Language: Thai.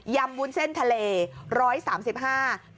วุ้นเส้นทะเล๑๓๕บาท